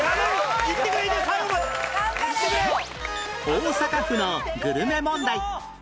大阪府のグルメ問題